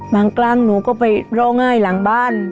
บางครั้งหนูก็ไปร่อง้ายหลังบ้าน